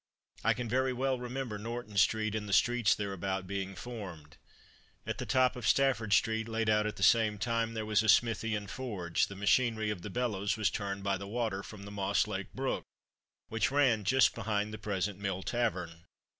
I can very well remember Norton street and the streets thereabout being formed. At the top of Stafford street, laid out at the same time, there was a smithy and forge; the machinery of the bellows was turned by the water from the Moss lake Brook, which ran just behind the present Mill Tavern.